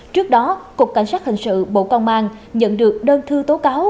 trước đó cục cảnh sát hình sự bộ công an nhận được đơn thư tố cáo